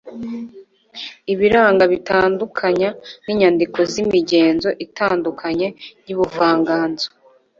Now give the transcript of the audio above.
ibiranga, bitandukanya ninyandiko zimigenzo itandukanye yubuvanganzo